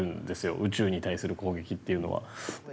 宇宙に対する攻撃っていうのは。